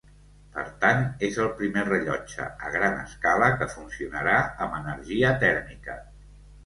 Per tant, és el primer rellotge a gran escala que funcionarà amb energia tèrmica.